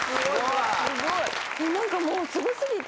なんかもうすごすぎて。